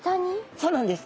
そうなんです。